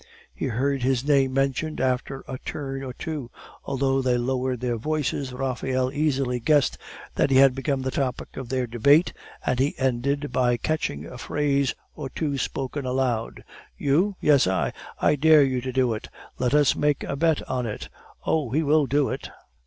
He heard his name mentioned after a turn or two. Although they lowered their voices, Raphael easily guessed that he had become the topic of their debate, and he ended by catching a phrase or two spoken aloud. "You?" "Yes, I." "I dare you to do it!" "Let us make a bet on it!" "Oh, he will do it."